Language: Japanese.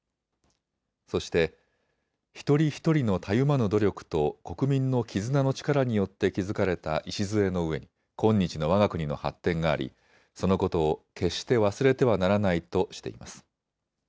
そして一人一人のたゆまぬ努力と国民の絆の力によって築かれた礎の上に今日のわが国の発展がありそのことを決して忘れてはならないとしています。